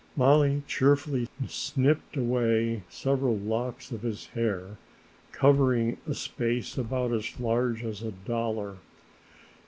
Mollie cheerfully snipped away several locks of his hair covering a space about as large as a dollar.